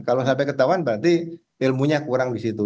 kalau sampai ketahuan berarti ilmunya kurang di situ